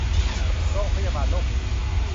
โรงพยาบาลโรคจิต